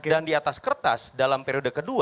dan di atas kertas dalam periode ke dua